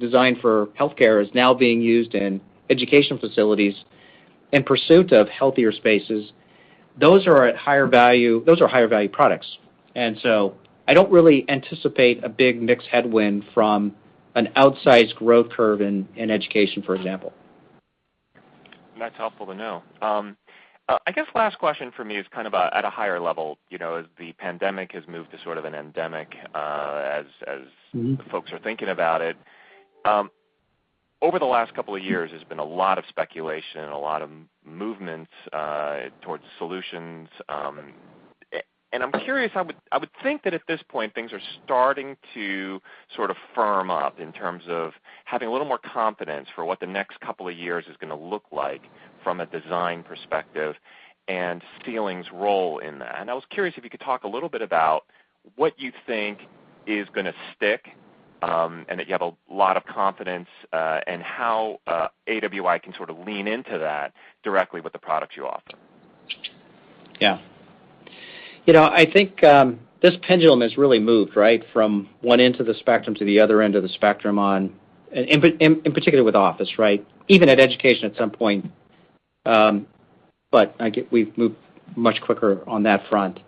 designed for healthcare, is now being used in education facilities in pursuit of healthier spaces. Those are at higher value. Those are higher value products. I don't really anticipate a big mix headwind from an outsized growth curve in education, for example. That's helpful to know. I guess last question from me is kind of at a higher level, you know, as the pandemic has moved to sort of an endemic. Mm-hmm Folks are thinking about it. Over the last couple of years, there's been a lot of speculation and a lot of movements towards solutions. I'm curious. I would think that at this point, things are starting to sort of firm up in terms of having a little more confidence for what the next couple of years is gonna look like from a design perspective and ceiling's role in that. I was curious if you could talk a little bit about what you think is gonna stick, and that you have a lot of confidence, and how AWI can sort of lean into that directly with the products you offer. Yeah. You know, I think this pendulum has really moved, right, from one end of the spectrum to the other end of the spectrum, in particular with office, right? Even at education at some point, but we've moved much quicker on that front.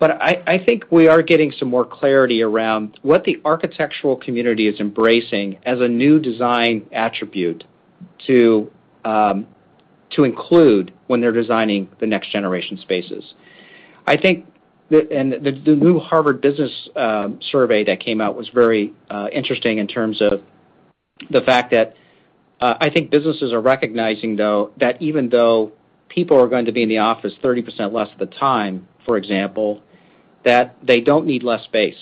I think we are getting some more clarity around what the architectural community is embracing as a new design attribute to include when they're designing the next generation spaces. I think the new Harvard Business Review survey that came out was very interesting in terms of the fact that I think businesses are recognizing, though, that even though people are going to be in the office 30% less of the time, for example, that they don't need less space.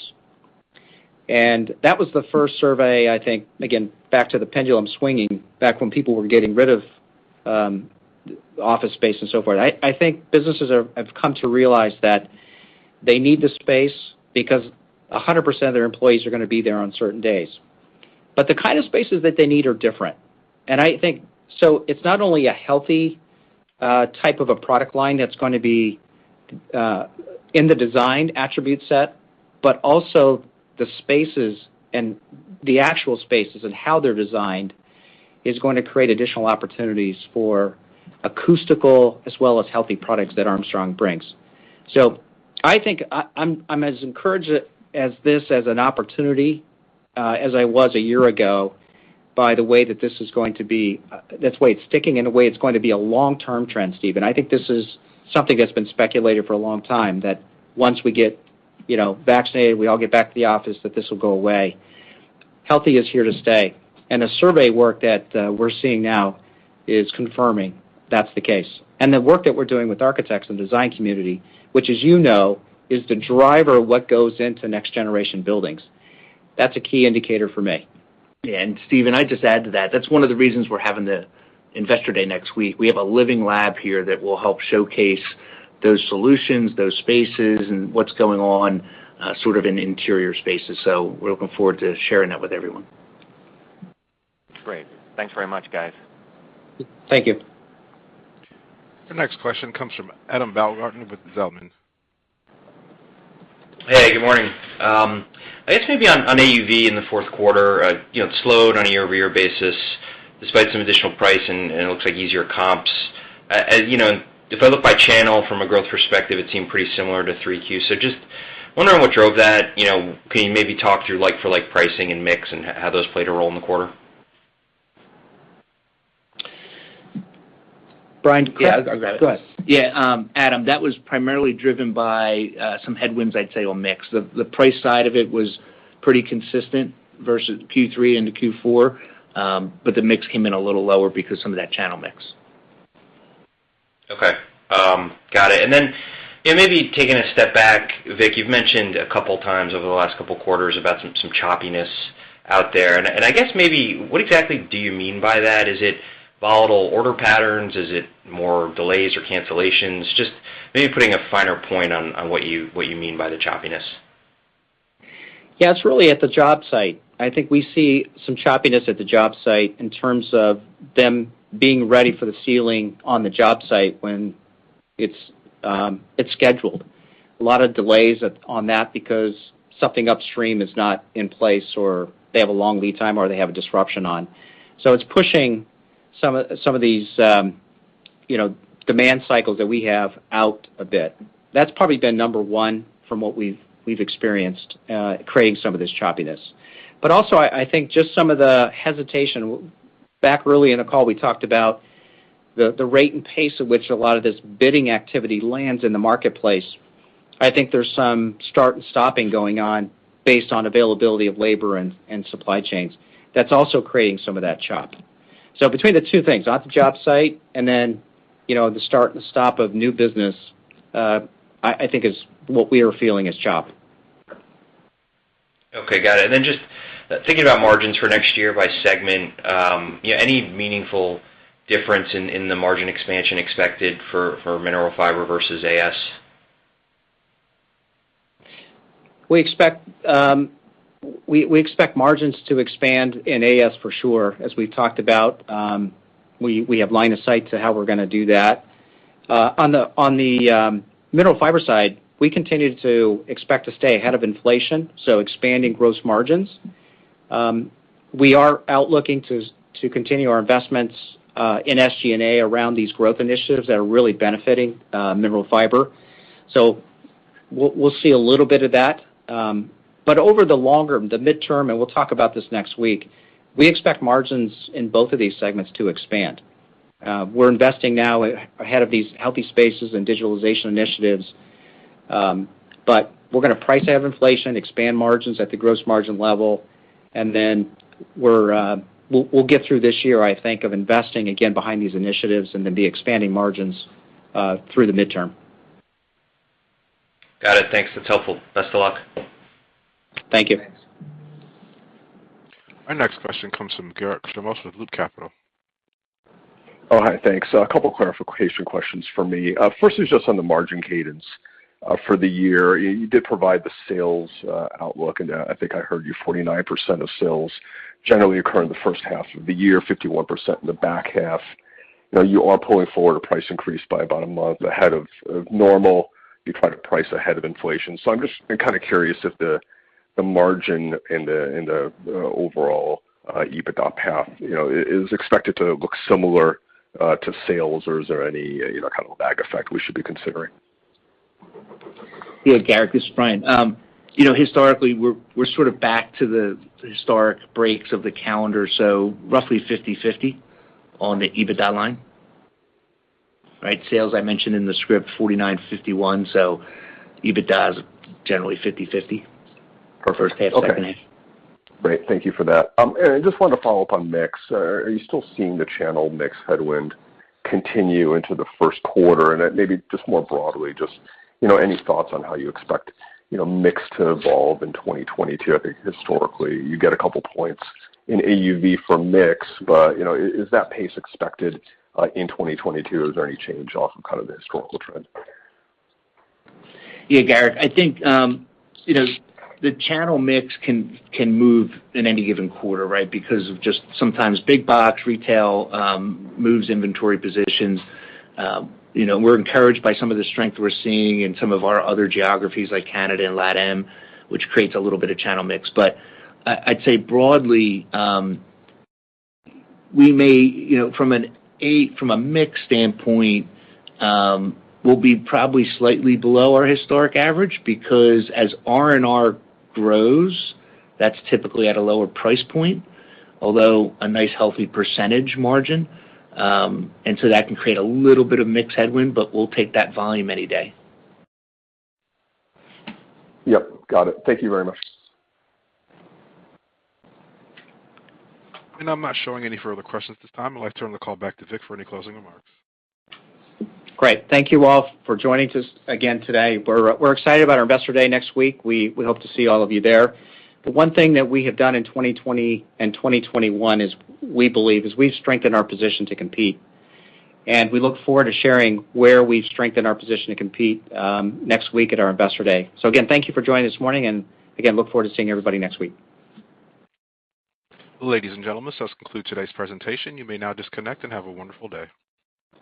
That was the first survey, I think, again, back to the pendulum swinging, back when people were getting rid of office space and so forth. I think businesses have come to realize that they need the space because 100% of their employees are gonna be there on certain days. The kind of spaces that they need are different. I think so it's not only a healthy type of a product line that's gonna be in the design attribute set, but also the spaces and the actual spaces and how they're designed is going to create additional opportunities for acoustical as well as healthy products that Armstrong brings. I think I'm as encouraged at this as an opportunity as I was a year ago by the way that this is going to be. That's why it's sticking in a way. It's going to be a long-term trend, Stephen. I think this is something that's been speculated for a long time, that once we get, you know, vaccinated, we all get back to the office, that this will go away. Healthy is here to stay, and the survey work that we're seeing now is confirming that's the case. The work that we're doing with architects and design community, which as you know, is the driver of what goes into next generation buildings, that's a key indicator for me. Stephen, I just add to that's one of the reasons we're having the Investor Day next week. We have a living lab here that will help showcase those solutions, those spaces, and what's going on, sort of in interior spaces. We're looking forward to sharing that with everyone. Great. Thanks very much, guys. Thank you. Our next question comes from Adam Baumgarten with Zelman. Hey, good morning. I guess maybe on AUV in the fourth quarter, you know, it slowed on a year-over-year basis despite some additional price and it looks like easier comps. As you know, if I look by channel from a growth perspective, it seemed pretty similar to 3Q. Just wondering what drove that. You know, can you maybe talk through like-for-like pricing and mix and how those played a role in the quarter? Brian, do you wanna? Yeah, I got it. Go ahead. Yeah, Adam, that was primarily driven by some headwinds, I'd say, on mix. The price side of it was pretty consistent versus Q3 into Q4, but the mix came in a little lower because some of that channel mix. Okay. Got it. Then, yeah, maybe taking a step back. Vic, you've mentioned a couple times over the last couple quarters about some choppiness out there. I guess maybe what exactly do you mean by that? Is it volatile order patterns? Is it more delays or cancellations? Just maybe putting a finer point on what you mean by the choppiness. Yeah, it's really at the job site. I think we see some choppiness at the job site in terms of them being ready for the ceiling on the job site when it's scheduled. A lot of delays on that because something upstream is not in place, or they have a long lead time, or they have a disruption on. So it's pushing some of these, you know, demand cycles that we have out a bit. That's probably been number one from what we've experienced, creating some of this choppiness. But also, I think just some of the hesitation. Back early in the call, we talked about the rate and pace at which a lot of this bidding activity lands in the marketplace. I think there's some start and stopping going on based on availability of labor and supply chains. That's also creating some of that chop. Between the two things, at the job site and then, you know, the start and stop of new business, I think is what we are feeling as chop. Okay, got it. Just thinking about margins for next year by segment, any meaningful difference in the margin expansion expected for Mineral Fiber versus AS? We expect margins to expand in AS for sure. As we've talked about, we have line of sight to how we're gonna do that. On the Mineral Fiber side, we continue to expect to stay ahead of inflation, so expanding gross margins. We are looking to continue our investments in SG&A around these growth initiatives that are really benefiting Mineral Fiber. We'll see a little bit of that. Over the longer, the midterm, and we'll talk about this next week, we expect margins in both of these segments to expand. We're investing now ahead of these Healthy Spaces and digitalization initiatives. We're gonna price ahead of inflation, expand margins at the gross margin level, and then we'll get through this year, I think, of investing again behind these initiatives and then be expanding margins through the midterm. Got it. Thanks. That's helpful. Best of luck. Thank you. Thanks. Our next question comes from Garik Shmois with Loop Capital. Oh, hi. Thanks. A couple clarification questions for me. First is just on the margin cadence for the year. You did provide the sales outlook, and I think I heard you, 49% of sales generally occur in the first half of the year, 51% in the back half. Now, you are pulling forward a price increase by about a month ahead of normal. You try to price ahead of inflation. I'm just kind of curious if the margin and the overall EBITDA path, you know, is expected to look similar to sales, or is there any, you know, kind of lag effect we should be considering? Garik, this is Brian. You know, historically, we're sort of back to the historic breaks of the calendar, so roughly 50/50 on the EBITDA line, right? Sales, I mentioned in the script, 49/51, so EBITDA is generally 50/50 for first half, second half. Okay. Great. Thank you for that. I just wanted to follow up on mix. Are you still seeing the channel mix headwind continue into the first quarter? Maybe just more broadly, you know, any thoughts on how you expect, you know, mix to evolve in 2022? I think historically you get a couple points in AUV for mix, but, you know, is that pace expected in 2022? Is there any change off of kind of the historical trend? Yeah, Garik, I think, you know, the channel mix can move in any given quarter, right? Because of just sometimes big box retail moves inventory positions. You know, we're encouraged by some of the strength we're seeing in some of our other geographies like Canada and LatAm, which creates a little bit of channel mix. But I'd say broadly, we may, you know, from a mix standpoint, we'll be probably slightly below our historic average because as R&R grows, that's typically at a lower price point, although a nice healthy percentage margin. That can create a little bit of mix headwind, but we'll take that volume any day. Yep, got it. Thank you very much. I'm not showing any further questions at this time. I'd like to turn the call back to Vic for any closing remarks. Great. Thank you all for joining us again today. We're excited about our Investor Day next week. We hope to see all of you there. The one thing that we have done in 2020 and 2021 is, we believe, we've strengthened our position to compete. We look forward to sharing where we've strengthened our position to compete next week at our Investor Day. Again, thank you for joining this morning, and again, look forward to seeing everybody next week. Ladies and gentlemen, this does conclude today's presentation. You may now disconnect and have a wonderful day.